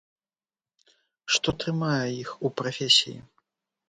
Што трымае іх у прафесіі?